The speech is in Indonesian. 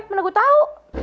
mana gue tau